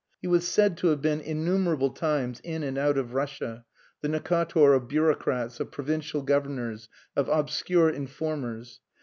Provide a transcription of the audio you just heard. He was said to have been innumerable times in and out of Russia, the Necator of bureaucrats, of provincial governors, of obscure informers.